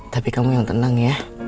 tapi kamu yang tenang